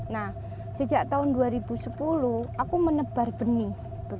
nah sejak tahun dua ribu sepuluh aku menebar benih